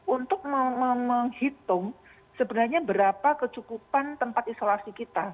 untuk menghitung sebenarnya berapa kecukupan tempat isolasi kita